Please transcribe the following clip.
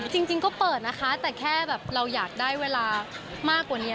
จริงก็เปิดนะคะแต่แค่แบบเราอยากได้เวลามากกว่านี้